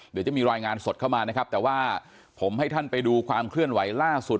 เดี๋ยวจะมีรายงานสดเข้ามานะครับแต่ว่าผมให้ท่านไปดูความเคลื่อนไหวล่าสุด